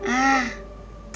mams udah ngasih tau